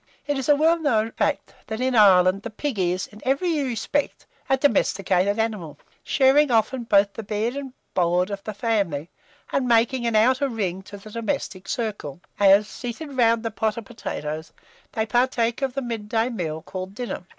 It is a well known fact, that in Ireland the pig is, in every respect, a domesticated animal, sharing often both the bed and board of the family, and making an outer ring to the domestic circle, as, seated round the pot of potatoes, they partake of the midday meal called dinner.